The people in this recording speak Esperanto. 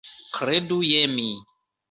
Kredu je mi.